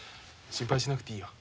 心配しなくていいよ。